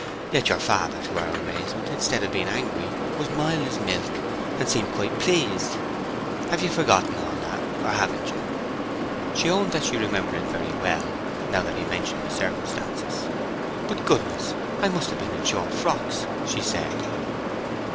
Yet your father, to our amazement, instead of being angry, was mild as milk, and seemed quite pleased. Have you forgot all that, or haven't you?" She owned that she remembered it very well, now that he mentioned the circumstances. "But, goodness! I must have been in short frocks," she said.